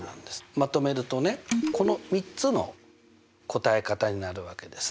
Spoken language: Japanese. まとめるとねこの３つの答え方になるわけですね。